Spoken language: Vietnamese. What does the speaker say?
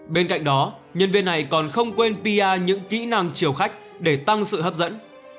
bên cạnh đó nhân viên này còn không quên pia những kỹ năng chiều khách để tăng sự hấp dẫn